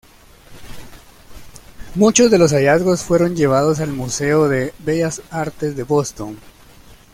Muchos de los hallazgos fueron llevados al Museo de Bellas Artes de Boston.